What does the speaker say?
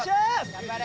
・頑張れ！